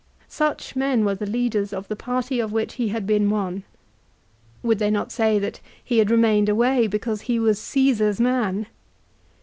Such men were the leaders of the party of which he had been one. Would they not say that he had remained away because he was Caesar's man?